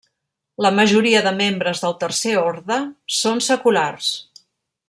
La majoria de membres del tercer orde són seculars.